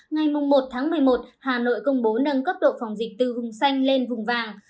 ngày một tháng một mươi một hà nội công bố nâng cấp độ phòng dịch từ vùng xanh lên vùng vàng